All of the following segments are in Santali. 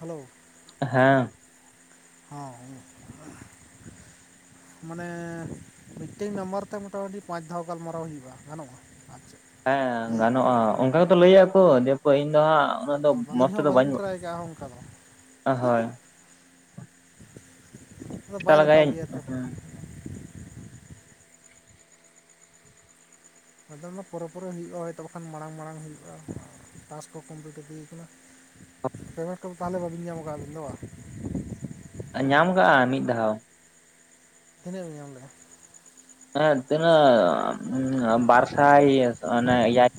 ᱦᱮᱞᱳᱣ᱾ ᱦᱮᱸ ᱦᱚᱸ ᱦᱩᱸ ᱢᱟᱱᱮ ᱢᱤᱫᱴᱮᱡ ᱱᱟᱢᱵᱟᱨ ᱛᱮ ᱢᱚᱴᱟᱢᱩᱴᱤ ᱯᱟᱸᱪᱫᱷᱟᱣ ᱜᱟᱞᱢᱟᱨᱟᱣ ᱦᱩᱭᱩᱜᱼᱟ ᱜᱟᱱᱚᱜᱼᱟ᱾ ᱟᱪᱪᱷᱟ ᱦᱮᱸ ᱜᱟᱱᱚᱜᱼᱟ ᱚᱝᱠᱟ ᱜᱮᱛᱚ ᱞᱟᱹᱭᱟ ᱠᱚ ᱫᱤᱭᱮ ᱠᱚ ᱤᱧ ᱫᱚ ᱦᱟᱸᱜ ᱩᱱᱟᱹᱜ ᱫᱚ ᱟᱫᱚ ᱢᱚᱸᱡᱽ ᱵᱟᱹᱞᱤᱧ ᱦᱚᱸ ᱛᱮᱫᱚ ᱵᱟᱹᱧ ᱵᱟᱹᱞᱤᱧ ᱴᱨᱟᱭ ᱠᱟᱜᱼᱟ ᱚᱝᱠᱟ ᱫᱚ᱾ ᱦᱳᱭ ᱟᱫᱚ ᱪᱮᱥᱴᱟ ᱵᱟᱭ ᱫᱮᱠᱷᱟᱣ ᱞᱮᱜᱟᱭᱟᱹᱧ ᱜᱮᱭᱟ ᱛᱚ᱾ ᱟᱫᱚ ᱚᱱᱟ ᱯᱚᱨᱮ ᱯᱚᱨᱮ ᱦᱩᱭᱩᱜᱼᱟ, ᱦᱚᱭᱛᱚ ᱵᱟᱠᱷᱟᱱ ᱢᱟᱲᱟᱝ ᱢᱟᱲᱟᱝ ᱦᱩᱭᱩᱜᱼᱟ ᱴᱟᱥ ᱠᱚ ᱠᱚᱢᱯᱞᱤᱴ ᱤᱫᱤ ᱠᱟᱱᱟ᱾ ᱯᱮᱢᱮᱱᱴ ᱠᱚᱫᱚ ᱛᱟᱦᱞᱮ ᱵᱟᱹᱵᱤᱱ ᱧᱟᱢ ᱠᱟᱜᱼᱟ ᱟᱵᱤᱱ ᱫᱚ ᱵᱟᱝ? ᱧᱟᱢ ᱠᱟᱜᱼᱟ ᱢᱤᱫ ᱫᱷᱟᱣ᱾ ᱛᱤᱱᱟᱹᱜ ᱮᱢ ᱧᱟᱢ ᱞᱮᱜᱼᱟ? ᱦᱮ ᱛᱤᱱᱟᱹᱜ ᱵᱟᱨᱥᱟᱭ ᱚᱱᱮ ᱮᱭᱟᱭ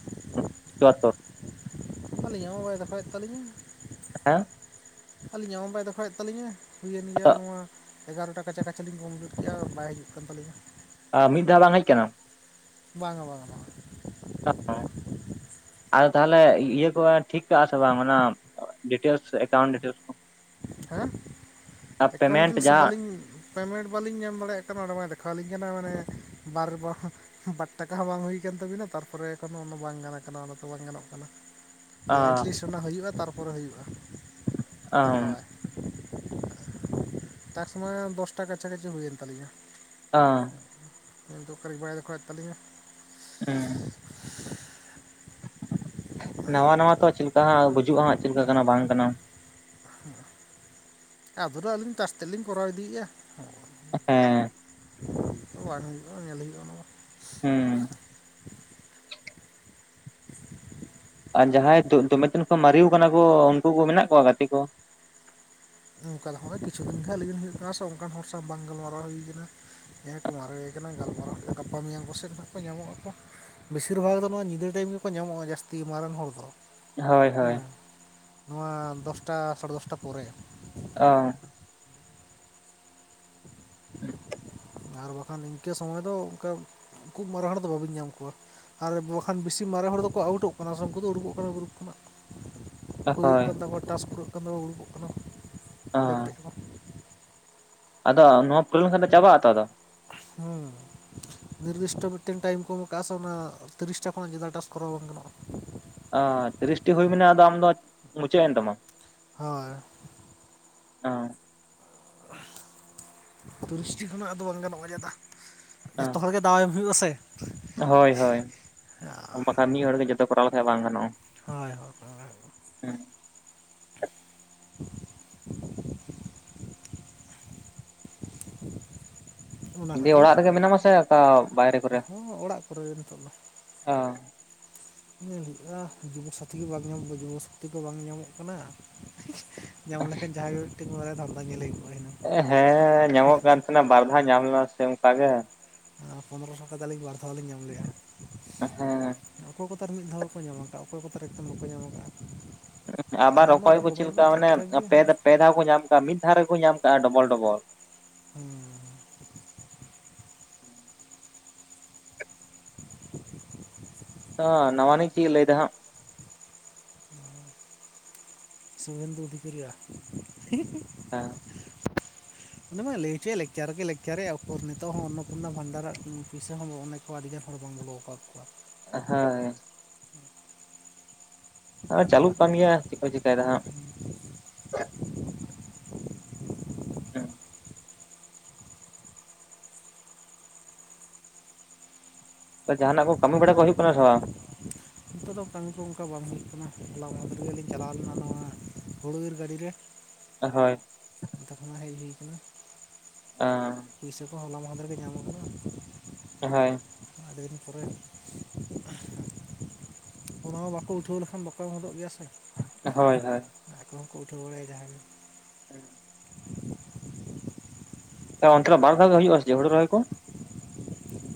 ᱪᱩᱭᱟᱛᱛᱳᱨ᱾ ᱟᱹᱞᱤᱧ ᱦᱚᱸ ᱵᱟᱭ ᱫᱮᱠᱷᱟᱣᱮᱫ ᱛᱟᱹᱞᱤᱧᱟ᱾ [inaudible] ᱟᱹᱞᱤᱧ ᱦᱚᱸ ᱵᱟᱭ ᱫᱮᱠᱷᱟᱣᱮᱫ ᱛᱟᱹᱞᱤᱧᱟ, ᱦᱩᱭᱮᱱ ᱜᱮᱭᱟ ᱟᱫᱚ ᱱᱚᱣᱟ ᱮᱜᱟᱨᱚ ᱴᱟ ᱠᱟᱪᱷᱟ ᱠᱟᱪᱷᱟ ᱞᱤᱧ ᱠᱚᱢᱯᱞᱤᱴ ᱠᱮᱜᱼᱟ ᱵᱟᱭ ᱦᱤᱡᱩᱜ ᱠᱟᱱ ᱛᱟᱹᱞᱤᱧᱟ᱾ ᱟ ᱢᱤᱫ ᱫᱷᱟᱣ ᱵᱟᱝ ᱦᱮᱡ ᱠᱟᱱᱟ? ᱵᱟᱝᱟ ᱵᱟᱝᱟ ᱵᱟᱝ ᱟᱫᱚ ᱛᱟᱦᱚᱞᱮ ᱤᱭᱟᱹ ᱠᱚ ᱴᱷᱤᱠ ᱠᱟᱜᱼᱟ ᱥᱮ ᱵᱟᱝ ᱚᱱᱟ ᱰᱤᱴᱮᱞᱥ ᱮᱠᱟᱣᱩᱱᱴ ᱰᱤᱴᱮᱞᱥ ᱠᱚ᱾ ᱦᱮᱸ ᱮᱠᱟᱣᱩᱱᱴ ᱯᱮᱢᱮᱱᱴ ᱰᱤᱞᱥ ᱡᱟᱦᱟᱸ ᱵᱟᱹᱞᱤᱧ ᱯᱮᱢᱮᱱᱴ ᱵᱟᱹᱞᱤᱧ ᱧᱟᱢ ᱫᱟᱲᱮᱭᱟᱜ ᱠᱟᱱᱟ ᱚᱸᱰᱮᱢᱟᱭ ᱫᱮᱠᱷᱟᱣᱞᱤᱧ ᱠᱟᱱᱟ ᱢᱟᱱᱮ ᱵᱟᱨ ᱵᱚ ᱵᱟᱴ ᱴᱟᱠᱟ ᱦᱚᱸ ᱵᱟᱝ ᱦᱩᱭ ᱠᱟᱱ ᱛᱟᱹᱵᱤᱱᱟ ᱛᱟᱨᱯᱚᱨᱮ ᱮᱠᱷᱚᱱᱚ ᱚᱱᱟ ᱵᱟᱝ ᱜᱟᱱ ᱠᱟᱱᱟ ᱚᱱᱟ ᱛᱚ ᱵᱟᱝ ᱜᱟᱱᱚᱜ ᱠᱟᱱᱟ᱾ ᱮᱴᱞᱤᱥᱴ ᱚᱱᱟ ᱦᱩᱭᱩᱜᱼᱟ, ᱛᱟᱨᱯᱚᱨᱮ ᱦᱩᱭᱩᱜᱼᱟ ᱫᱮᱠᱷᱟᱣᱟᱭ᱾ ᱴᱟᱥᱠ ᱢᱟ ᱫᱚᱥᱴᱟ ᱠᱟᱪᱷᱟ ᱠᱟᱪᱷᱤ ᱦᱩᱭᱮᱱ ᱛᱟᱹᱞᱤᱧᱟ᱾ ᱚ [unintelligible] ᱛᱟᱹᱞᱤᱧᱟ ᱚᱸ ᱱᱟᱣᱟ ᱱᱟᱣᱟ ᱛᱚ ᱪᱮᱫ ᱞᱮᱠᱟ ᱦᱟᱸᱜ ᱵᱩᱡᱩᱜᱼᱟ ᱦᱟᱸᱜ ᱪᱮᱫ ᱞᱮᱠᱟ ᱠᱟᱱᱟ ᱵᱟᱝ ᱠᱟᱱᱟ᱾ ᱟᱫᱷᱚᱨᱟᱹ ᱟᱹᱞᱤᱧ ᱴᱟᱥᱠ ᱛᱮᱫᱞᱤᱧ ᱠᱚᱨᱟᱣ ᱤᱫᱤᱭᱮᱜᱼᱟ᱾ ᱮ ᱦᱮᱸ ᱵᱟᱝ ᱦᱩᱭᱩᱜᱼᱟ ᱧᱮᱞ ᱦᱩᱭᱩᱜᱼᱟ ᱚᱱᱟ ᱫᱚ᱾ ᱦᱩᱸ [inaudible] ᱟᱨ ᱡᱟᱦᱟᱸᱭ ᱫᱚᱢᱮ ᱫᱤᱱ ᱠᱚ ᱢᱟᱨᱤᱣ ᱠᱟᱱᱟ ᱠᱚ ᱩᱱᱠᱩ ᱠᱚ ᱢᱮᱱᱟᱜ ᱠᱚᱣᱟ ᱜᱟᱛᱮ ᱠᱚ? ᱚᱝᱠᱟ ᱫᱚ ᱦᱚᱸᱜᱼᱚᱭ ᱠᱤᱪᱷᱩ ᱫᱤᱱ ᱜᱟᱱ ᱟᱹᱞᱤᱧ ᱦᱩᱭᱩᱜ ᱠᱟᱱᱟ ᱥᱮ ᱚᱱᱠᱟᱱ ᱦᱚᱲ ᱥᱟᱶ ᱵᱟᱝ ᱜᱟᱞᱢᱟᱨᱟᱣ ᱦᱩᱭ ᱠᱟᱱᱟ᱾ ᱡᱟᱦᱟᱸᱭ ᱠᱚ ᱢᱟᱨᱮᱭ ᱠᱟᱱᱟ ᱜᱟᱞᱢᱟᱨᱟᱣ ᱜᱟᱯᱟ ᱢᱮᱭᱟᱝ ᱠᱚ ᱥᱮᱱ ᱦᱟᱸᱜ ᱠᱚ ᱧᱟᱢᱚᱜᱼᱟ ᱠᱚ᱾ ᱵᱮᱥᱤᱨ ᱵᱷᱟᱜᱽ ᱫᱚ ᱱᱚᱣᱟ ᱧᱤᱫᱟᱹ ᱴᱟᱭᱤᱢ ᱜᱮᱠᱚ ᱧᱟᱢᱚᱜᱼᱟ ᱡᱟᱹᱥᱛᱤ ᱱᱚᱣᱟᱨᱮᱱ ᱦᱚᱲ ᱫᱚ᱾ ᱦᱳᱭ ᱦᱳᱭ ᱦᱮᱸ ᱱᱚᱣᱟ ᱫᱚᱥᱴᱟ ᱥᱟᱲᱮ ᱫᱚᱥᱴᱟ ᱯᱚᱨᱮ᱾ ᱚ ᱟᱨ ᱵᱟᱠᱷᱟᱱ ᱤᱝᱠᱟᱹ ᱥᱚᱢᱚᱭ ᱫᱚ ᱚᱝᱠᱟ ᱠᱷᱩᱵ ᱢᱟᱨᱮ ᱦᱚᱲ ᱫᱚ ᱵᱟᱹᱵᱤᱱ ᱧᱟᱢ ᱠᱚᱣᱟ᱾ ᱟᱨ ᱵᱟᱠᱷᱟᱱ ᱵᱮᱥᱤ ᱢᱟᱨᱮ ᱦᱚᱲ ᱫᱚᱠᱚ ᱟᱣᱩᱴᱚᱜ ᱠᱟᱱᱟ ᱥᱮ ᱩᱝᱠᱩ ᱫᱚ ᱩᱰᱩᱠᱚᱜ ᱠᱟᱱᱟ ᱜᱨᱩᱯ ᱠᱷᱚᱱᱟᱜ᱾ ᱦᱩᱭᱩᱜ ᱦᱳᱭ ᱠᱟᱱ ᱛᱟᱠᱚᱣᱟ ᱴᱟᱥᱠ ᱯᱩᱨᱟᱹᱜ ᱠᱟᱱ ᱛᱟᱠᱚᱣᱟ ᱩᱩᱲᱩᱜᱚᱜ ᱠᱟᱱᱟ, ᱚ [unintelligible] ᱟᱫᱚ ᱱᱚᱣᱟ ᱯᱩᱨᱟᱹᱣ ᱞᱮᱱ ᱠᱷᱟᱱ ᱫᱚ ᱪᱟᱵᱟᱜᱼᱟ ᱛᱚ ᱟᱫᱚ? ᱦᱩᱸ ᱱᱤᱨᱫᱤᱥᱴᱚ ᱢᱤᱫᱴᱮᱱ ᱴᱟᱭᱤᱢ ᱠᱚ ᱮᱢ ᱠᱟᱜᱼᱟ ᱥᱮ ᱚᱱᱟ ᱛᱤᱨᱤᱥᱴᱟ ᱠᱷᱚᱱᱟᱜ ᱡᱟᱫᱟ ᱴᱟᱥ ᱠᱚᱨᱟᱣ ᱵᱟᱝ ᱜᱟᱱᱚᱜᱼᱟ᱾ ᱚ ᱛᱤᱨᱤᱥᱴᱤ ᱦᱩᱭ ᱢᱟᱱᱮ ᱟᱢᱫᱚ ᱟᱫᱚ ᱢᱩᱪᱟᱹᱫ ᱮᱱ ᱛᱟᱢᱟ? ᱦᱳᱭ ᱚ ᱛᱤᱨᱤᱥᱴᱤ ᱠᱷᱚᱱᱟᱜ ᱟᱫᱚ ᱵᱟᱝ ᱜᱟᱱᱚᱜᱼᱟ ᱡᱟᱫᱟ ᱡᱷᱚᱛᱚ ᱦᱚᱲ ᱜᱮ ᱫᱟᱣ ᱮᱢ ᱦᱩᱭᱩᱜᱼᱟ ᱥᱮ᱾ ᱦᱳᱭ ᱦᱳᱭ ᱵᱟᱠᱷᱟᱱ ᱢᱤᱜ ᱦᱚᱲ ᱜᱮ ᱡᱚᱛᱚ ᱠᱚᱨᱟᱣ ᱞᱮᱠᱷᱟᱱ ᱵᱟᱝ ᱜᱟᱱᱚᱜᱼᱟ᱾ ᱦᱳᱭ [unintelligible] ᱦᱩᱸ [unintelligible] ᱚᱱᱟ ᱫᱤᱭᱮ ᱠᱷᱟᱹᱛᱤᱨ ᱚᱲᱟᱜ ᱨᱮᱜᱮ ᱢᱮᱱᱟᱢᱟ ᱥᱮ ᱚᱠᱟ ᱵᱟᱭᱨᱮ ᱠᱚᱨᱮ? ᱦᱚᱸ ᱚᱲᱟᱜ ᱠᱚᱨᱮ ᱜᱮ ᱱᱤᱛᱚᱜ ᱫᱚ ᱚ ᱧᱮᱞ ᱦᱩᱭᱩᱜᱼᱟ ᱡᱩᱵᱚᱥᱟᱛᱷᱤ ᱜᱮ ᱵᱟᱝ ᱧᱟᱢᱫᱚ ᱡᱩᱵᱚᱥᱟᱛᱷᱤ ᱠᱚ ᱵᱟᱝ ᱧᱟᱢᱚᱜ ᱠᱟᱱᱟ ᱧᱟᱢ ᱞᱮᱠᱷᱟᱱ ᱡᱟᱦᱟᱸ ᱜᱮ ᱢᱤᱫᱴᱲᱮ ᱫᱷᱟᱱᱫᱟ ᱧᱮᱞ ᱦᱩᱭᱩᱜ ᱮ ᱦᱮᱸ ᱧᱟᱢᱚᱜ ᱠᱟᱱ ᱛᱟᱦᱮᱸᱱᱟ ᱵᱟᱨ ᱫᱷᱟᱣ ᱧᱟᱢ ᱞᱮᱱᱟ ᱥᱮ ᱚᱱᱠᱟ ᱜᱮ᱾ ᱯᱚᱸᱫᱨᱚᱥᱚ ᱴᱟᱠᱟᱞᱤᱧ ᱵᱟᱨ ᱫᱷᱟᱣ ᱞᱤᱧ ᱧᱟᱢ ᱞᱮᱫᱼᱟ ᱦᱮᱸ ᱚᱠᱚᱭ [inaudible] ᱠᱚ ᱮᱛᱟᱨ ᱢᱤᱫ ᱫᱷᱟᱣ ᱜᱮᱠᱚ ᱧᱟᱢ ᱟᱠᱟᱫᱼᱟ ᱚᱠᱚᱭ ᱠᱚᱛᱟᱨ ᱮᱠᱫᱚᱢ ᱵᱟᱠᱚ ᱧᱟᱢ ᱟᱠᱟᱫᱼᱟ ᱟᱵᱟᱨ ᱟᱹᱞᱤᱧᱟᱜ ᱢᱟ ᱚᱠᱚᱭ ᱠᱚ ᱪᱮᱫ ᱰᱚᱠᱩᱢᱮᱱᱴ ᱢᱟ ᱞᱮᱠᱟ ᱴᱷᱤᱠ ᱢᱟᱱᱮ ᱴᱷᱟᱠ ᱜᱮᱭᱟ ᱯᱮ, ᱦᱟᱸᱜ ᱯᱮ ᱫᱷᱟᱣ ᱠᱚ ᱧᱟᱢ ᱠᱟᱜᱼᱟ, ᱢᱤᱫ ᱫᱷᱟᱣ ᱨᱮᱠᱚ ᱧᱟᱢ ᱠᱟᱜᱼᱟ ᱰᱚᱵᱚᱞ ᱰᱚᱵᱚᱞ ᱦᱩᱸ [inaudible] [inaudible] ᱱᱟᱣᱟᱟᱱᱤ ᱪᱤᱫ ᱞᱟᱹᱭᱮᱫᱟ ᱦᱟᱸᱜ ᱥᱩᱵᱷᱮᱱᱫᱩ ᱚᱫᱷᱤᱠᱟᱨᱤᱭᱟ ᱦᱮᱸ [inaudible] [inaudible] ᱩᱱᱤ ᱢᱟᱭ ᱞᱟᱹᱭ ᱦᱚᱪᱚᱭᱮᱜ ᱞᱮᱠᱪᱟᱨ ᱜᱮᱭ ᱞᱮᱠᱪᱟᱨᱮᱜᱼᱟ ᱩᱠᱩᱨ ᱱᱤᱛᱚᱜ ᱦᱚᱸ ᱚᱱᱱᱚᱯᱩᱨᱱᱟ ᱵᱷᱟᱱᱰᱟᱨᱟᱜ ᱯᱩᱭᱥᱟᱹ ᱦᱚᱸ ᱚᱱᱮ ᱛᱚ ᱟᱹᱰᱤᱜᱟᱱ ᱦᱚᱲ ᱵᱟᱝ ᱵᱚᱞᱚ ᱠᱟᱫ ᱠᱚᱣᱟ ᱟ ᱦᱚᱭ ᱟᱸᱸ ᱪᱟᱹᱞᱩᱜ ᱠᱟᱱ ᱜᱮᱭᱟ ᱪᱮᱫ ᱠᱚ ᱪᱤᱠᱟᱭᱫᱟ ᱦᱟᱸᱜ [inaudible] [inaudible] [inaudible] [unintelligible] ᱡᱟᱦᱟᱸᱱᱟᱜ ᱠᱚ ᱠᱟᱹᱢᱤ ᱵᱟᱲᱟ ᱠᱚ ᱦᱩᱭᱩᱜ ᱠᱟᱱᱟ ᱥᱮ ᱵᱟᱝ? ᱱᱤᱛᱚᱜ ᱫᱚ ᱠᱟᱹᱢᱤ ᱠᱚ ᱚᱱᱠᱟ ᱵᱟᱝ ᱦᱩᱭᱩᱜ ᱠᱟᱱᱟ ᱦᱚᱞᱟ ᱢᱟᱫᱷᱮᱨ ᱜᱮᱞᱤᱧ ᱪᱟᱞᱟᱣ ᱞᱮᱱᱟ ᱱᱚᱣᱟ ᱦᱩᱲᱩ ᱤᱨ ᱜᱟᱹᱰᱤᱨᱮ ᱟᱼ ᱦᱳᱭ ᱚᱱᱚᱛᱮ ᱠᱷᱚᱱᱟᱜ [unintelligible] ᱦᱮᱡ ᱦᱩᱭ ᱠᱟᱱᱟ ᱚ ᱯᱩᱭᱥᱟᱹ ᱠᱚ ᱦᱚᱞᱟ ᱢᱟᱦᱫᱷᱮᱨ ᱜᱮ ᱧᱟᱢ ᱠᱟᱱᱟ ᱦᱳᱭ ᱟᱹᱰᱤ ᱫᱤᱱ ᱯᱚᱨᱮ ᱚᱱᱟ ᱦᱚᱸ ᱵᱟᱠᱚ ᱩᱴᱷᱟᱹᱣ ᱞᱮᱠᱷᱟᱱ ᱵᱟᱠᱚ ᱮᱢ ᱦᱚᱫᱚᱜ ᱜᱮᱭᱟ ᱥᱮ ᱦᱳᱭ ᱦᱳᱭ ᱟᱠᱚ ᱦᱚᱸᱠᱚ ᱩᱴᱷᱟᱹᱣ ᱵᱟᱲᱟᱭᱟ ᱡᱟᱦᱟᱸᱭᱜᱮ ᱦᱮᱸ ᱚᱱᱛᱮ ᱫᱚ ᱵᱟᱨ ᱫᱷᱟᱣ ᱜᱮ ᱦᱩᱭᱩᱜᱼᱟ ᱥᱮ ᱪᱮᱫ ᱦᱳᱲᱳ ᱨᱚᱦᱚᱭ ᱠᱚ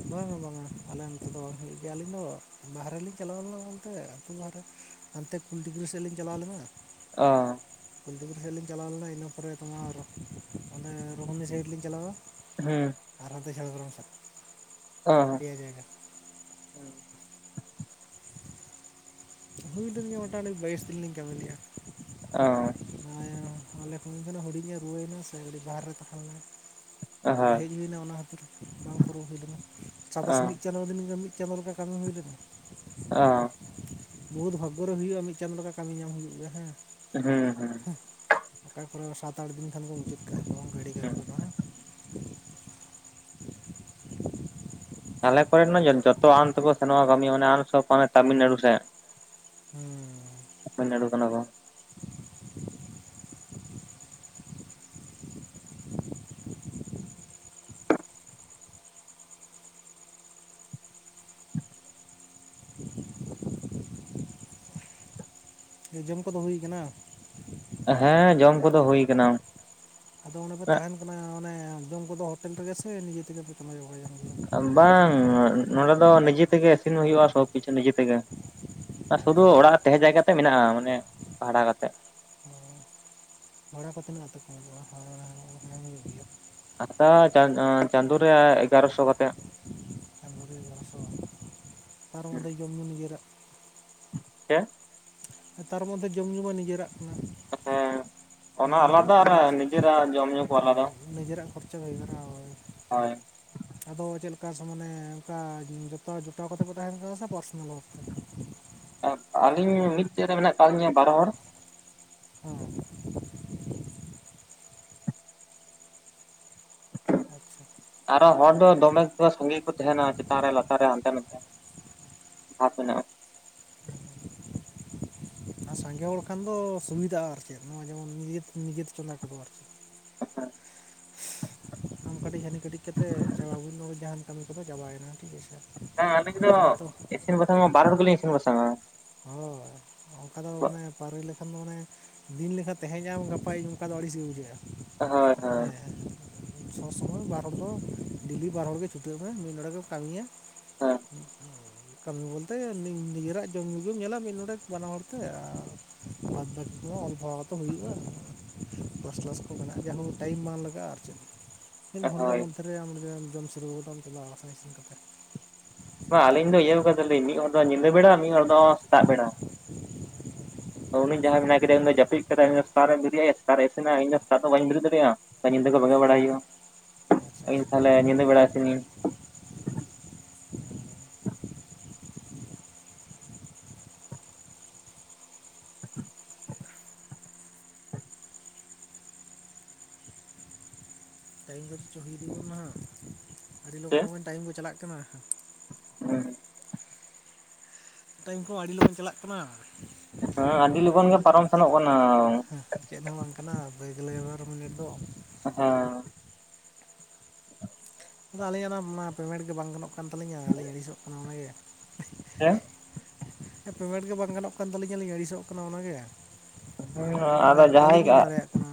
ᱵᱟᱝᱟ ᱵᱟᱝᱟ ᱟᱞᱮ ᱟᱱᱛᱮ ᱫᱚ ᱵᱟᱝ ᱦᱩᱭᱩᱜ ᱜᱮᱭᱟ ᱟᱹᱞᱤᱧ ᱫᱚ ᱵᱟᱦᱨᱮ ᱞᱤᱧ ᱪᱟᱞᱟᱣ ᱞᱮᱱᱟ ᱜᱚᱢᱠᱮ ᱟᱹᱛᱩ ᱵᱟᱦᱨᱮ ᱦᱟᱱᱛᱮ ᱠᱩᱞᱴᱤᱠᱨᱤ ᱥᱮᱫ ᱞᱤᱧ ᱪᱟᱞᱟᱣ ᱞᱮᱱᱟ ᱚᱼᱻ ᱠᱩᱞᱴᱤᱠᱩᱨ ᱥᱮᱫ ᱞᱤᱧ ᱪᱟᱞᱟᱣ ᱞᱮᱱᱟ ᱤᱱᱟᱹ ᱯᱚᱨᱮ ᱛᱳᱢᱟᱨ ᱚᱱᱮ ᱨᱩᱦᱱᱤ ᱥᱟᱭᱤᱰ ᱞᱤᱧ ᱪᱟᱞᱟᱣᱟ ᱦᱮᱸ ᱟᱨ ᱫᱚ [unintelligible] ᱡᱷᱟᱲᱜᱟᱢ ᱥᱮᱫ ᱚᱸ ᱡᱟᱭ [unintelligible] ᱦᱮᱸ [inaudible] ᱦᱩᱭ ᱞᱮ ᱜᱮᱭᱟ ᱢᱳᱴᱟᱢᱩᱴᱤ ᱵᱟᱭᱤᱥ ᱫᱤᱱ ᱞᱤᱧ ᱠᱟᱹᱢᱤ ᱞᱮᱫᱼᱟ ᱟᱞᱮ ᱠᱷᱚᱱ ᱛᱟᱦᱮᱱᱟ ᱦᱩᱰᱤᱧᱮ ᱨᱩᱣᱟᱹᱭᱮᱱᱟ ᱥᱮ ᱟᱹᱰᱤ ᱵᱟᱦᱨᱮ ᱨᱮ ᱛᱟᱦᱮᱸ ᱞᱮᱮᱱᱟᱭ ᱚ ᱟᱫᱚ ᱦᱳᱭ ᱦᱮᱡ ᱦᱩᱭᱱᱟ ᱚᱱᱟ ᱠᱷᱟᱹᱛᱤᱨ ᱵᱟᱝ ᱠᱚ ᱨ ᱦᱩᱭ ᱞᱮᱱᱟ ᱪᱟᱥ [unintelligible] ᱢᱤᱫ ᱚ ᱪᱟᱞᱟᱣ ᱞᱮᱱ ᱜᱮᱭᱟ ᱢᱤᱫ ᱪᱟᱸᱫᱚ ᱞᱮᱠᱟ ᱠᱟᱹᱢᱤ ᱦᱩᱭ ᱞᱮᱱᱟ ᱾ ᱟᱸ ᱵᱚᱦᱩᱫ ᱵᱷᱟᱜᱜᱚ ᱨᱮ ᱦᱩᱭᱩᱜᱼᱟ ᱢᱤᱫ ᱪᱟᱫᱚᱸᱸ ᱞᱮᱠᱟ ᱠᱟᱹᱢᱤ ᱧᱟᱢ ᱦᱩᱭᱩᱜ ᱜᱮᱭᱟ ᱦᱮᱸ ᱦᱮᱸᱻᱸ ᱦᱮᱸᱻ ᱚᱠᱟ ᱠᱚᱨᱮ ᱥᱟᱛ ᱟᱴ ᱫᱤᱱ ᱠᱷᱟᱱ ᱠᱚ ᱢᱩᱡᱟᱹᱫ ᱠᱟᱜᱼᱟ ᱠᱚ ᱜᱷᱟᱹᱲᱤ [inaudible] [inaudible] ᱟᱞᱮ ᱠᱚᱨᱮᱱ ᱢᱟ ᱡᱚᱛᱚ ᱟᱱ ᱛᱮᱠᱚ ᱥᱮᱱᱚᱜ ᱟ ᱠᱟᱹᱢᱤᱭᱟ ᱚᱱᱮ ᱟᱢᱥᱚᱟᱱᱮ ᱛᱟᱢᱤᱞᱱᱟᱹᱲᱩ ᱥᱮᱫ ᱦᱮᱸ ᱛᱟᱢᱤᱱᱞᱟᱰᱩ ᱠᱟᱱᱟ ᱠᱚ ᱡᱚᱢ ᱠᱚᱫᱚ ᱦᱩᱭᱩᱠᱟᱱᱟ ᱦᱮᱸ ᱡᱚᱢ ᱠᱚᱫᱚ ᱦᱩᱭ ᱠᱟᱱᱟ ᱟᱫᱚ ᱸᱰᱮ ᱯᱮ ᱛᱟᱦᱮᱱ ᱠᱟᱱᱟ ᱚᱱᱮ ᱡᱚᱢ ᱠᱚᱫᱚ ᱦᱳᱴᱮᱞ ᱨᱮᱜᱮ ᱥᱮ ᱱᱤᱡᱮ ᱛᱮᱜᱮ ᱯᱮ ᱛᱢᱚᱭ ᱵᱟᱭ ᱟ ᱵᱟᱝ ᱱᱚᱰᱮ ᱫᱚ ᱱᱤᱡᱮ ᱛᱮᱜᱮ ᱤᱥᱤᱱ ᱦᱩᱭᱩᱜᱼᱟ ᱥᱚᱵ ᱠᱤᱪᱷᱩ ᱱᱤᱡᱮ ᱛᱮᱜᱮ ᱥᱩᱫᱩ ᱟᱪᱪᱷᱟ ᱟᱪᱪᱷᱟ ᱚᱲᱟᱜ ᱛᱟᱦᱮᱸ ᱡᱟᱭᱜᱟᱛᱮᱜ ᱢᱮᱱᱟᱜᱼᱟ ᱢᱟᱱᱮ ᱵᱟᱦᱲᱟ ᱠᱟᱛᱮ ᱵᱷᱟᱲᱟ ᱠᱚ ᱛᱤᱱᱟᱹᱜ ᱠᱟᱛᱮ [unintelligible] ᱟᱫᱦᱟ ᱪᱟᱸᱫᱳ ᱨᱮ ᱮᱜᱟᱨᱚᱥᱚ ᱠᱟᱛᱮ ᱟᱨ ᱵᱟᱝᱥᱚᱜ ᱛᱟᱨ ᱚᱸᱰᱮ ᱡᱚᱢᱼᱧᱩ ᱱᱤᱡᱟᱹᱨᱟᱜ ᱪᱮᱫ ᱛᱟᱨ ᱢᱚᱫᱽᱫᱷᱮ ᱡᱚᱢ ᱧᱩ ᱢᱟ ᱱᱤᱡᱮᱨᱟᱜ ᱠᱟᱱᱟ ᱦᱮᱸ ᱚᱱᱟ ᱱᱤᱡᱮᱨᱟᱜ ᱟᱞᱟᱫᱟ ᱟᱨ ᱯᱞᱟᱥ ᱱᱤᱡᱮᱨᱟᱜ ᱡᱚᱢ ᱧᱩ ᱠᱚ ᱟᱞᱟᱫᱟ ᱱᱤᱡᱮᱨᱟᱜ ᱠᱷᱚᱨᱪᱟ ᱦᱩᱭ ᱵᱷᱟᱨᱟ ᱦᱳᱭ ᱟᱫᱚ ᱪᱮᱫ ᱞᱮᱠᱟ ᱥᱟᱢᱚᱱᱮ ᱚᱱᱠᱟ ᱡᱚᱛᱚ ᱡᱚᱴᱟᱣ ᱠᱟᱛᱮ ᱠᱚ ᱛᱟᱦᱮᱱ ᱠᱟᱱᱟ ᱥᱮ ᱯᱟᱨᱥᱚᱱᱟᱞ ᱚᱠᱛᱮ ᱟᱹᱞᱤᱧ ᱢᱤᱫᱴᱮᱡ ᱨᱮ ᱢᱮᱱᱟᱜ ᱟᱠᱟᱫ ᱞᱤᱧᱟ ᱵᱟᱨ ᱦᱚᱲ ᱦᱮᱸ ᱟᱪᱪᱷᱟ ᱟᱨᱚ ᱦᱚᱲ ᱫᱚ ᱫᱚᱢᱮ ᱥᱟᱸᱜᱤ ᱠᱚ ᱛᱟᱦᱮᱱᱟ ᱪᱮᱛᱟᱱ ᱨᱮ ᱞᱟᱛᱟᱨ ᱨᱮ ᱦᱟᱱᱛᱮ ᱱᱟᱛᱮ ᱦᱟᱯ ᱢᱮᱱᱟᱜ- ᱟ ᱟᱨ ᱥᱟᱸᱜᱮ ᱦᱚᱲ ᱠᱷᱟᱱ ᱫᱚ ᱥᱩᱵᱤᱫᱟᱜᱼᱟ ᱟᱨ ᱪᱮᱫ ᱱᱚᱜᱼᱚᱭ ᱡᱮᱢᱚᱱ ᱱᱮ ᱱᱤᱡᱮ ᱛᱮ ᱪᱚᱸᱫᱟ ᱠᱚᱫᱚ ᱟᱨᱠᱤ ᱟᱢ ᱠᱟᱹᱴᱤᱡ ᱦᱟᱹᱱᱤ ᱠᱟᱹᱴᱤᱡ ᱠᱟᱛᱮᱮᱫ ᱪᱟᱵᱟ ᱦᱩᱭᱱᱟ ᱱᱚᱜᱰᱮ ᱡᱟᱦᱟᱱ ᱠᱟᱹᱢᱤ ᱠᱚᱫᱚ ᱪᱟᱵᱟᱭᱮᱱᱟ ᱴᱷᱤᱠ ᱟᱪᱷᱮ ᱦᱩᱸ ᱟᱹᱞᱤᱧ ᱫᱚ ᱡᱚᱛᱚᱱᱟᱜ ᱛᱚ ᱤᱥᱤᱱ ᱵᱟᱥᱟᱝ ᱢᱟ ᱵᱟᱨ ᱦᱚᱲ ᱜᱮᱞᱤᱧ ᱤᱥᱤᱱ ᱵᱟᱥᱟᱝᱼᱟ ᱦᱮᱸ ᱚᱱᱠᱟ ᱫᱚ ᱢᱟᱱᱮ ᱯᱟᱹᱨᱤ ᱞᱮᱠᱷᱟᱱ ᱫᱚ ᱢᱟᱱᱮ ᱫᱤᱱ ᱞᱮᱠᱷᱟᱱ ᱛᱮᱦᱮᱧ ᱟᱢ ᱜᱟᱯᱟ ᱤᱧ ᱚᱱᱠᱟ ᱫᱚ ᱟᱹᱲᱤᱥ ᱜᱮ ᱵᱩᱡᱷᱟᱹᱜᱼᱟ ᱦᱳᱭ ᱦᱳᱭ ᱦᱮᱸ ᱥᱚᱵ ᱥᱚᱢᱚᱭ ᱵᱟᱨ ᱦᱚᱲ ᱫᱚ ᱰᱮᱞᱤ ᱵᱟᱨ ᱦᱚᱲᱜ ᱪᱷᱩᱴᱟᱹᱜ ᱢᱮ ᱢᱤᱫ ᱦᱚᱲᱚᱲ ᱜᱮᱢ ᱠᱟᱹᱢᱤᱭᱟ ᱦᱳᱭ ᱠᱟᱹᱢᱤ ᱵᱚᱞᱛᱮ ᱱᱤᱡᱮᱨᱟᱜ ᱡᱚᱢ ᱧᱩ ᱜᱮᱢ ᱧᱮᱞᱟ ᱢᱤᱫ ᱱᱚᱰᱮ ᱵᱟᱱᱟ ᱦᱚᱲ ᱛᱮ ᱟᱨ ᱵᱟᱫ ᱵᱟᱠᱤ ᱠᱚᱦᱚᱸ ᱢᱤᱫ ᱫᱷᱟᱣ ᱛᱚ ᱦᱩᱭᱩᱜᱼᱟ ᱠᱞᱟᱥ ᱠᱞᱟᱥ ᱠᱚ ᱢᱮᱱᱟᱜᱼᱟ ᱡᱟᱦᱟᱸ ᱴᱟᱭᱤᱢ ᱵᱟᱝ ᱞᱟᱜᱟᱜᱼᱟ ᱟᱨ ᱪᱮᱫ ᱢᱤᱫ ᱜᱷᱚᱱᱴᱟ ᱦᱳᱭ ᱢᱚᱫᱽᱫᱷᱮᱨᱮ ᱟᱢ ᱡᱚᱢ ᱥᱩᱨᱩ ᱜᱚᱫ ᱪᱟᱞᱟᱜᱼᱟ ᱟᱥᱟᱲ ᱤᱥᱤᱱ ᱠᱚᱛᱮ ᱵᱟᱝ ᱟᱹᱞᱤᱧ ᱫᱚ ᱤᱭᱟᱹ ᱟᱠᱟᱫᱟᱞᱤᱧ ᱢᱤᱫ ᱦᱚᱲ ᱫᱚ ᱧᱤᱫᱟᱹ ᱵᱮᱲᱟ ᱢᱤᱫ ᱦᱚᱲ ᱫᱚ ᱥᱮᱛᱟᱜ ᱵᱮᱲᱟ [inaudible] ᱩᱱᱤ ᱡᱟᱸᱦᱟᱭ ᱢᱮᱱᱟᱭ ᱠᱮᱫᱮᱭᱟ ᱩᱱᱤ ᱫᱚ ᱡᱟᱹᱯᱤᱫ ᱠᱮᱫᱟ ᱩᱱᱤ ᱫᱚ ᱥᱮᱛᱟᱜ ᱨᱮ ᱵᱮᱨᱮᱫ ᱟ ᱥᱮᱛᱟᱜ‌ ᱨᱮ ᱤᱥᱤᱱ ᱟ ᱤᱧ ᱫᱚ ᱥᱮᱛᱟᱜ ᱫᱚ ᱵᱟᱹᱧ ᱵᱮᱨᱮᱫ ᱫᱟᱲᱮᱭᱟᱜᱼᱟ ᱧᱤᱫᱟᱹ ᱠᱚ ᱵᱮᱝ ᱜᱮᱫ ᱵᱟᱲᱟᱭ ᱦᱩᱭᱩᱜᱼᱟ ᱟᱪᱪᱷᱟ ᱤᱧ ᱟᱪᱪᱷᱟ ᱛᱟᱦᱞᱮ ᱧᱤᱫᱟᱹ ᱵᱟᱲᱟ ᱥᱮᱱᱤᱧ ᱴᱟᱭᱤᱢ ᱠᱚ ᱪᱮᱫ ᱪᱚ ᱦᱩᱭ ᱫ ᱠᱟᱱᱟ ᱦᱟᱸᱜ ᱟᱹᱰᱤ ᱥᱮ ᱞᱚᱜᱚᱱ ᱞᱚᱜᱚᱱ ᱴᱟᱭᱤᱢ ᱠᱚ ᱪᱟᱞᱟᱜ ᱠᱟᱱᱟ᱾ ᱴᱟᱭᱤᱢ ᱠᱚ [unintelligible] ᱟᱹᱰᱤ ᱞᱚᱜᱚᱱ ᱪᱟᱞᱟᱜ ᱠᱟᱱᱟ᱾ ᱦᱮᱸ ᱟᱹᱰᱤ ᱞᱚᱜᱚᱱ ᱜᱮ ᱯᱟᱨᱚᱢ ᱥᱮᱱᱚᱜ ᱠᱟᱱᱟ᱾ ᱦᱮ ᱪᱮᱫ ᱦᱚᱸ ᱵᱟᱝ ᱠᱟᱱᱟ ᱵᱟᱹᱭ ᱜᱮᱞ ᱵᱟᱨᱚ ᱢᱤᱱᱤᱴ ᱫᱚ ᱦᱮᱸ [unintelligible] ᱟ ᱟᱹᱞᱤᱧ ᱟᱜ ᱚᱱᱟ ᱯᱮᱢᱮᱱᱴ ᱜᱮ ᱵᱟᱝ ᱜᱟᱱᱚᱜ ᱠᱟᱱ ᱛᱟᱹᱞᱤᱧᱼᱟ ᱟᱹᱞᱤᱧ ᱟᱹᱲᱤ ᱥᱚᱜ ᱠᱟᱱᱟ ᱚᱱᱟ ᱜᱮ ᱦᱮᱸ ᱯᱮᱢᱮᱱᱴ ᱜᱮ ᱵᱟᱝ ᱜᱟᱱᱚᱜ ᱠᱟᱱ ᱛᱟᱹᱞᱤᱧᱼᱟ ᱞᱤᱧ ᱟᱹᱲᱤ ᱥᱚᱜ ᱠᱟᱱᱟ ᱚᱱᱟ ᱜᱮ ᱦᱮᱸ ᱟᱫᱚ ᱡᱟᱦᱟᱸᱭ ᱫᱟᱲᱮᱭᱟᱜ ᱠᱟᱱᱟ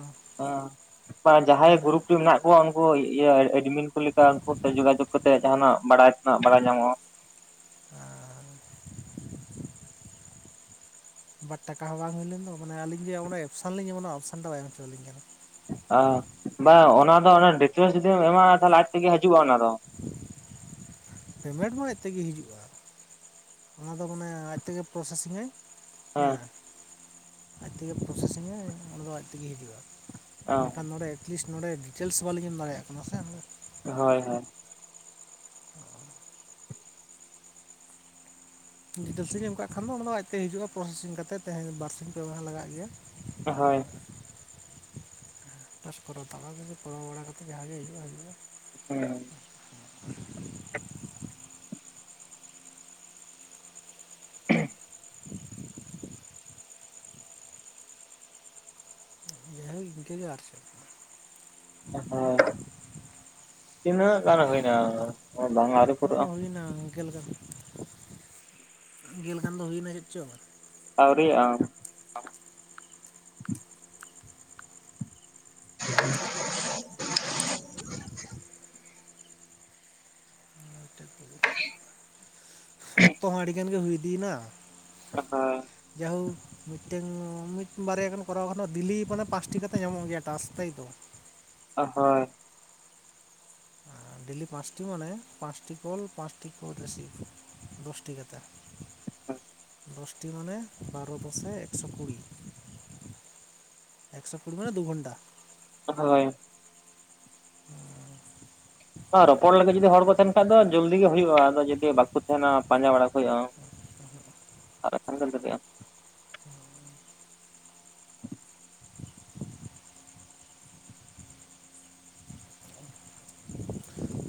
ᱟᱜ ᱡᱟᱦᱟᱸᱭ ᱢᱟᱱᱮ ᱜᱩᱨᱩᱯ ᱨᱮ ᱢᱮᱱᱟᱜ ᱠᱚ ᱟᱵᱚᱣᱟᱜ ᱩᱱᱠᱩ ᱤᱭᱟᱹ ᱮᱰᱢᱤᱱ ᱠᱚ ᱞᱮᱠᱟ ᱩᱱᱠᱩ ᱡᱳᱜᱟᱡᱳᱜᱽ ᱠᱟᱛᱮ ᱡᱟᱦᱟᱸᱱᱟᱜ ᱵᱟᱲᱟᱭ ᱛᱮᱱᱟᱜ ᱵᱟᱲᱟᱭ ᱧᱟᱢᱚᱜᱼᱟ᱾ [unintelligible] ᱵᱟᱴ ᱴᱟᱠᱟ ᱦᱚᱸ ᱵᱟᱝ ᱦᱩᱭ ᱞᱮᱱ ᱫᱚ ᱢᱟᱱᱮ ᱟᱹᱞᱤᱧ ᱜᱮ ᱚᱱᱟ ᱮᱯᱥᱟᱱ ᱞᱤᱧ ᱮᱢᱫᱟ ᱳᱯᱥᱟᱥᱟᱱ ᱫᱚ ᱵᱟᱭ ᱮᱢ ᱦᱚᱪᱚ ᱟᱞᱤᱧ ᱠᱟᱱᱟ᱾ ᱟ ᱵᱟᱝ ᱚᱱᱟ ᱫᱚ ᱰᱮᱠᱣᱮᱥ ᱡᱩᱫᱤᱢ ᱮᱢᱟᱜᱼᱟ ᱠᱷᱟᱱ ᱛᱟᱦ ᱞᱮ ᱟᱡ ᱛᱮ ᱜᱮ ᱦᱤᱡᱩᱜᱼᱟ ᱚᱱᱟ ᱫᱚ ᱯᱮᱢᱮᱴ ᱢᱟ ᱟᱡ ᱛᱮ ᱜᱮ ᱦᱤᱡᱩᱜᱼᱟ᱾ ᱚᱱᱟ ᱫᱚ ᱢᱟᱱᱮ ᱟᱡ ᱛᱮ ᱜᱮ ᱯᱨᱚᱥᱮ ᱥᱤᱝ ᱟᱭ ᱦᱮᱸ ᱟᱡ ᱛᱮ ᱜᱮ ᱯᱨᱚᱥᱮ ᱥᱤᱝ ᱟᱭ ᱚᱸᱰᱮ ᱫᱚ ᱟᱡ ᱛᱮ ᱜᱮ ᱦᱤᱡᱩᱜᱼᱟ᱾ ᱢᱮᱱ ᱠᱷᱟᱱ ᱱᱚᱰᱮ ᱮᱴᱞᱤᱥᱴ ᱱᱚ ᱰᱮ ᱰᱤᱴᱮᱞᱥ ᱵᱟᱹᱞᱤᱧ ᱮᱢ ᱫᱟᱲᱮ ᱭᱟᱜ ᱠᱟᱱᱟ ᱥᱮ ᱦᱳᱭ ᱦᱳᱭ ᱰᱤᱴᱮᱞᱥᱤ ᱤᱧ ᱮᱢ ᱠᱟᱜ ᱠᱷᱟᱱ ᱫᱚ ᱚᱱᱟ ᱫᱚ ᱟᱡ ᱛᱮ ᱦᱤᱡᱩᱜᱼᱟ ᱯᱨᱚᱥᱮ ᱥᱤᱝ ᱠᱟ ᱠᱟᱛᱮᱫ ᱛᱮᱦᱮᱧ ᱵᱟᱨ ᱥᱤᱧ ᱯᱮ ᱞᱟᱜᱟᱜ ᱜᱮᱭᱟ ᱦᱳᱭ ᱯᱷᱟᱥ ᱯᱚᱨᱟᱣ ᱫᱟᱞᱟᱮ ᱯᱚᱨᱟᱣ ᱵᱟᱲᱟ ᱠᱟᱛᱮ ᱵᱷᱟᱜᱮ ᱦᱩᱭᱩᱜᱼᱟ ᱦᱩᱭᱩᱜᱼᱟ ᱦᱮᱸ [inaudible] ᱡᱟᱦᱟᱸ ᱜᱮ ᱤᱱ ᱠᱟᱹᱜᱮ ᱟᱨ ᱪᱮᱫ ᱦᱮ ᱛᱤᱱᱟᱹᱜ ᱜᱟᱱ ᱦᱩᱭ ᱱᱟ᱾ ᱦᱚᱸ ᱦᱩᱭᱱᱟ ᱜᱮᱞ ᱜᱟᱱ ᱜᱮᱞ ᱜᱟᱱ ᱫᱚ ᱦᱩᱭᱱᱟ ᱪᱮᱫ ᱪᱚᱝ ᱟᱨᱣᱨᱤᱭᱟᱜᱼᱟ [inaudible] [inaudible] ᱚᱠᱛᱚ ᱦᱚᱸ ᱟᱹᱰᱤ ᱜᱟᱱ ᱜᱮ ᱦᱩᱭ ᱤᱫᱤ ᱭᱮᱱᱟ [unintelligible] [unintelligible] ᱢᱤᱫ ᱴᱮᱱ ᱢᱤᱫ ᱵᱟᱨᱭᱟ ᱜᱟᱱ ᱠᱚᱨᱟᱣ ᱠᱷᱟᱱ ᱰᱮᱞᱤ ᱢᱟᱱᱮ ᱯᱟᱸᱪᱴᱤ ᱠᱟᱛᱮ ᱧᱟᱢᱚᱜ ᱜᱮᱭᱟ ᱴᱟᱥ ᱛᱟᱹᱛᱚ ᱫᱚ [unintelligible] ᱰᱮᱞᱤ ᱯᱟᱸᱪᱴᱤ ᱢᱟᱱᱮ ᱯᱟᱸᱪᱴᱤ ᱠᱚᱞ ᱯᱟᱸᱪᱴᱤ ᱠᱚᱞ ᱨᱤᱥᱤᱯ ᱢᱮ ᱫᱚᱥᱴᱤ ᱠᱟ ᱠᱟᱛᱮᱫ᱾ ᱫᱚᱥᱴᱤ ᱢᱟᱱᱮ ᱵᱟᱨᱚ ᱫᱚᱥᱮ ᱮᱠᱥᱚ ᱠᱩᱲᱤ ᱮᱠᱥᱚ ᱯᱩᱨᱵᱮ ᱫᱩ ᱜᱷᱚᱱᱴᱟ ᱦᱳᱭ ᱨᱚᱯᱚᱲ ᱞᱟᱹᱜᱤᱫ ᱡᱩᱚᱫᱤ ᱦᱚᱲ ᱠᱚ ᱛᱟᱸᱱ ᱠᱷᱟᱡ ᱫᱚ ᱡᱚᱞᱫᱤ ᱜᱮ ᱦᱩᱭᱩᱜᱼᱟ ᱟᱫᱚ ᱡᱩᱚᱫᱤ ᱵᱟᱠᱚ ᱛᱟᱦᱮᱱᱟ ᱯᱟᱸᱡᱟ ᱵᱟᱲᱟ ᱠᱚ ᱦᱩᱭᱩᱜᱼᱟ᱾ [unintelligible] [unintelligible]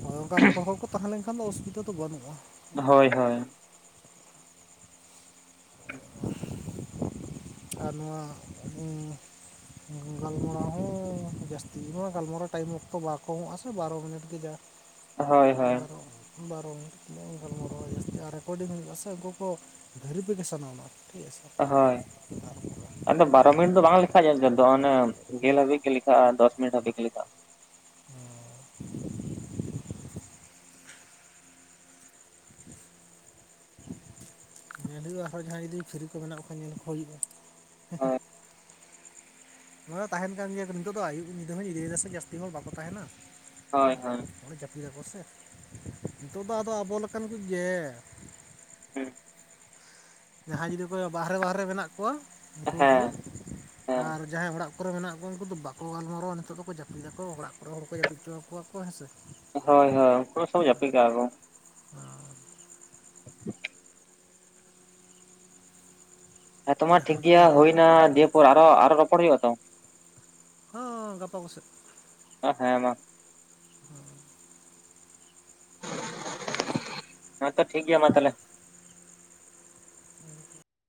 ᱚᱱᱮ ᱚᱱᱠᱟ ᱨᱚᱯᱚᱲ ᱦᱚᱲ ᱠᱚ ᱛᱟᱦᱮᱸ ᱞᱮᱱᱠᱷᱟᱱ ᱫᱚ ᱚᱥᱩᱵᱤᱫᱟ ᱫᱚ ᱵᱟᱹᱱᱩᱜᱼᱟ᱾ ᱦᱳᱭ ᱦᱳᱭ᱾ [inaudible] ᱟᱨ ᱱᱚᱣᱟ [unintelligible] ᱜᱟᱞᱢᱟᱨᱟᱣ ᱦᱚᱸ ᱡᱟᱹᱥᱛᱤ ᱱᱚᱣᱟ ᱜᱟᱞᱢᱟᱨᱟᱣ ᱴᱟᱭᱤᱢ ᱚᱠᱛᱚ ᱵᱟᱠᱚ ᱟᱥᱮ ᱵᱟᱨᱚ ᱢᱤᱱᱤᱴ ᱜᱮ ᱡᱟᱼᱼ ᱦᱳᱭ ᱦᱳᱭ ᱵᱟᱨ ᱵᱟᱨᱚ [unintelligible] ᱢᱴ ᱛᱤᱱᱟᱹ ᱢᱤᱱᱴᱟᱞ ᱢᱚᱨ ᱡᱥᱛᱤ ᱟᱨ ᱨᱮᱠᱚᱨᱰᱤᱝ ᱥᱮ ᱜᱯᱚ ᱵᱷᱮᱨᱤᱯᱷᱤᱠᱮᱥᱚᱱ ᱚᱱᱟ ᱴᱷᱤᱠ ᱟᱪᱷᱮ ᱦᱳᱭ ᱟᱨ [unintelligible] ᱟᱫᱚ ᱵᱟᱨᱚ ᱢᱤᱱᱤᱴ ᱫᱚ ᱵᱟᱝ ᱞᱮᱠᱷᱟᱜ-ᱟ ᱚᱱᱮ ᱜᱮᱞ ᱦᱟᱵᱤᱡ ᱜᱮ ᱞᱮᱠᱷᱟᱜᱼᱟ ᱫᱚᱥ ᱢᱤᱱᱤᱴ ᱦᱟᱵᱤᱡ ᱜᱮ ᱞᱮᱠᱷᱟᱜᱼᱟ᱾ ᱟᱨ [inaudible] ᱧᱮᱞ ᱦᱩᱭᱩᱜᱼᱟ ᱦᱚᱲ ᱡᱟᱦᱟᱸᱭ ᱡᱩᱫᱤ ᱯᱷᱨᱤ ᱠᱚ ᱢᱮᱱᱟᱜ ᱠᱚ ᱠᱷᱟᱱ ᱧᱮᱞ ᱠᱚ ᱦᱩᱭᱩᱜᱼᱟ᱾ ᱦᱳᱭ ᱛᱟᱦᱮᱱ ᱠᱟᱱ ᱜᱮᱭᱟ ᱱᱤᱛᱚᱜ ᱫᱚ ᱟᱭᱩᱵ ᱧᱤᱫᱟᱹ ᱦᱚ ᱧᱤᱫᱟᱹᱭᱮᱱᱟ ᱥᱮ ᱡᱟᱹᱥᱛᱤ ᱦᱚᱲ ᱵᱟᱠᱚ ᱛᱟᱦᱮᱱᱟ ᱦᱳᱭ ᱦᱳᱭ ᱡᱟᱹᱯᱤᱫᱟᱠᱚ ᱥᱮ ᱱᱤᱛᱚᱜ ᱫᱚ ᱟᱫᱚ ᱟᱵᱚ ᱞᱮᱠᱟᱱ ᱠᱚᱜᱮ ᱦᱩᱸ ᱡᱟᱦᱟᱸᱭ ᱡᱩᱫᱤ ᱠᱚ ᱵᱟᱦᱨᱮ ᱵᱟᱦᱨᱮ ᱢᱮᱱᱟᱜ ᱠᱚᱣᱟ ᱩᱱᱠᱩ ᱦᱮᱸ ᱠᱚᱜᱮ ᱦᱮᱸ ᱟᱨ ᱡᱟᱦᱟᱸᱭ ᱚᱲᱟᱜ ᱠᱚᱼᱼ ᱠᱚᱨᱮ ᱢᱮᱱᱟᱜ ᱠᱚᱣᱟ ᱩᱱᱠᱩ ᱫᱚ ᱵᱟᱠᱚ ᱜᱟᱞᱢᱟᱨᱟᱣᱟ ᱱᱤᱛᱚᱜ ᱫᱚᱠᱚ ᱡᱟᱯᱤᱫ ᱟᱠᱚ ᱚᱲᱟᱜ ᱠᱚᱨᱮ ᱦᱚᱲ ᱠᱚ ᱡᱟᱯᱤᱫ ᱦᱚᱪᱚ ᱟᱠᱚᱣᱟ ᱠᱚ ᱦᱮᱸ ᱥᱮ ᱦᱳᱭ ᱦᱳᱭ ᱩᱱ ᱠᱚᱥᱚᱵ ᱡᱟᱹᱯᱤᱫ ᱠᱟᱜ ᱠᱚ᱾ ᱦᱮᱸ ᱛᱚ ᱢᱟ ᱴᱷᱤᱠ ᱡᱟᱦᱟᱸᱭ ᱡᱩᱫᱤ ᱜᱮᱭᱟ ᱵᱟᱦᱨᱮ ᱦᱩᱭᱱᱟ ᱠᱚ ᱛᱟᱦᱮᱱᱟ ᱫᱤᱭᱮ ᱯᱚᱨ ᱟᱨᱚ ᱟᱨᱚ ᱨᱚᱯᱚᱲ ᱦᱩᱭᱩᱜ-ᱟ ᱛᱚ ᱦᱳ ᱜᱟᱯᱟ ᱠᱚᱥᱮᱫ ᱦᱮᱸ ᱢᱟ ᱦᱮᱸ ᱦᱮᱸᱛᱚ ᱴᱷᱤᱠ ᱜᱮᱭᱟ ᱢᱟ ᱛᱟᱦᱞᱮ [inaudible]